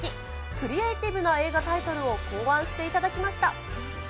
クリエイティブな映画タイトルを考案していただきました。